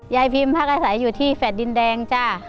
ยายพิมภักษายอยู่ที่แฝดดินแดงจ้า